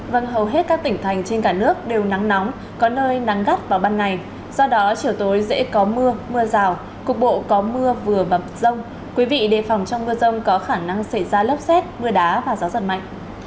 vâng hầu hết các tỉnh thành trên cả nước đều nắng nóng có nơi nắng gắt vào ban ngày do đó chiều tối dễ có mưa mưa rào cục bộ có mưa vừa bập rông quý vị đề phòng trong mưa rông có khả năng xảy ra lốc xét mưa đá và gió giật mạnh